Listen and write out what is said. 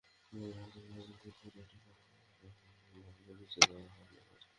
মনে রাখতে হবে ব্রাজিলের ফুটবলে একটি সোনার আজন্ম আক্ষেপ ঘুচিয়ে দেওয়া নেইমারকেও।